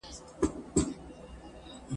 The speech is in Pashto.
هر واعظ وي په صفت ستونی څیرلی ..